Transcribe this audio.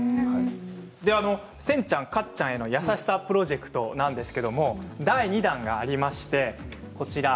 センちゃんカッちゃんへの優しさプロジェクトなんですが第２弾があります。